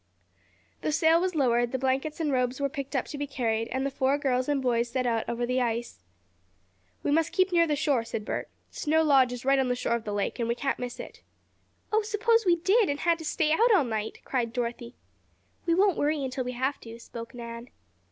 The sail was lowered, the blankets and robes were picked up to be carried, and the four girls and boys set out over the ice. "We must keep near the shore," said Bert, "Snow Lodge is right on the shore of the lake, and we can't miss it." "Oh, suppose we did, and had to stay out all night?" cried Dorothy. "We won't worry until we have to," spoke Nan.